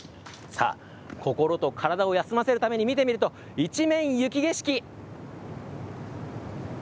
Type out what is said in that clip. さあ、心と体を休ませるために、見てみると、一面、雪景色。